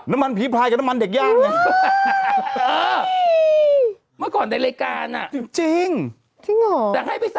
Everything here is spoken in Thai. น้ำมันผีพลายกับน้ำมันเด็กย่างไง